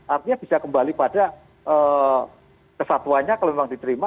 artinya bisa kembali pada kesatuannya kalau memang diterima